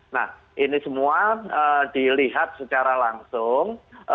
nah ini semua dilihat secara langsung